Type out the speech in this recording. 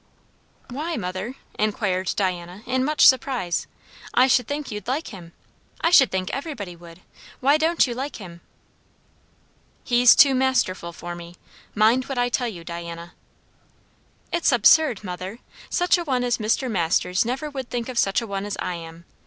"Why, mother?" inquired Diana in much surprise. "I should think you'd like him. I should think everybody would. Why don't you like him?" "He's too masterful for me. Mind what I tell you, Diana." "It's absurd, mother! Such a one as Mr. Masters never would think of such a one as I am.